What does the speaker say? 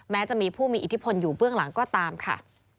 แม้จะมีผู้มีอิทธิพลอยู่เบื้องหลังก็ตามค่ะ